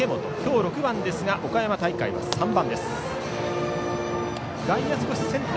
今日６番ですが岡山大会は３番でした。